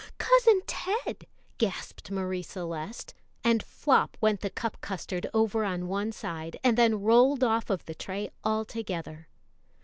"Cousin Ted!" gasped Marie Celeste; and flop went the cup custard over on one side, and then rolled off of the tray altogether.